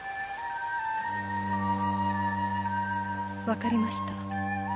分かりました。